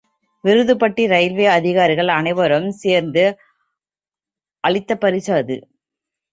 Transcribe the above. Virudhupatti railway அதிகாரிகள் அனைவரும் சேர்ந்து அளித்த பரிசு அது.